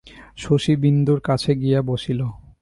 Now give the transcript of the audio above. শশী বিন্দুর কাছে গিয়া বসিল।